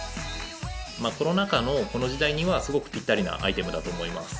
コロナ禍のこの時代にはすごくぴったりなアイテムだと思います。